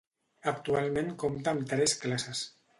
Actualment compta amb tres classes.